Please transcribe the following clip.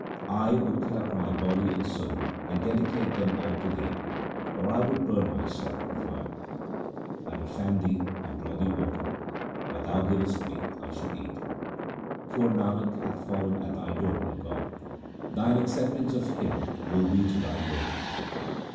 I would cut up my body and soul and dedicate them all to Thee, or I would burn myself in fire ; I would fan Thee and draw Thee water ; what Thou givest me I should eat. Poor Nanak hath fallen at Thy door, O God ; Thine acceptance of him will be to Thy glory.